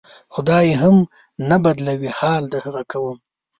خدای هم نه بدلوي حال د هغه قوم